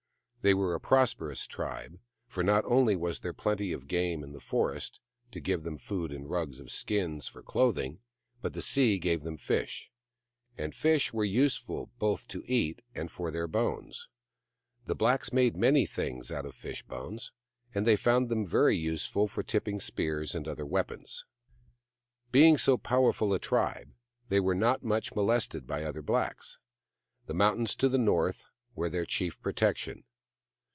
They were a prosperous tribe, for not only was there plenty of game in the forest, to give them food and rugs of skins for clothing, but the sea gave them fish : and fish were useful both to eat and for their bones. The blacks made many things out of fish bones, and found them very useful for tipping spears and other weapons. Being so powerful a tribe, they were not much molested by other blacks. The mountains to the north were their chief protection.